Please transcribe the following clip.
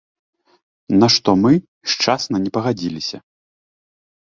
На што мы шчасна не пагадзіліся.